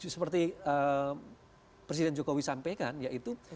seperti presiden jokowi sampaikan yaitu